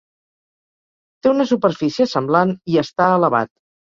Té una superfície semblant i està elevat.